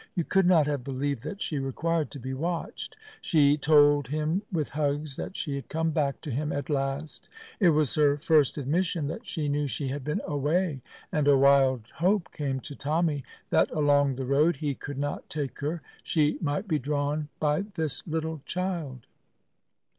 You could not have believed that she required to be watched. She told him with hugs that she had come back to him at last; it was her first admission that she knew she had been away and a wild hope came to Tommy that along the road he could not take her she might be drawn by this little child.